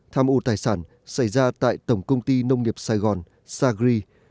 tham ô tài sản xảy ra tại tổng công ty nông nghiệp sài gòn sagri